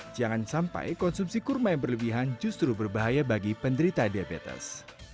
jangan sampai konsumsi kurma yang berlebihan justru berbahaya bagi penderita diabetes